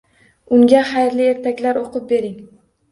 Unga xayrli ertaklar o‘qib bering